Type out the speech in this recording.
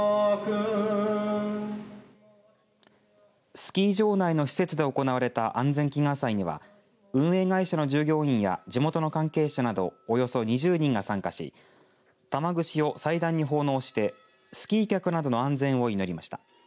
スキー場内の施設で行われた安全祈願祭には運営会社の従業員や地元の関係者などおよそ２０人が参加し玉串を祭壇に奉納してスキー客などの安全を祈りました。